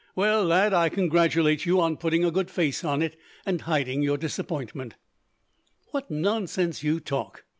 Well, lad, I congratulate you on putting a good face on it, and hiding your disappointment." "What nonsense you talk!"